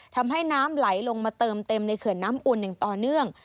ทำให้น้ำไหลลงมาเติมเต็มในเขื่อนน้ำอุ่นอย่างต่อเนื่อง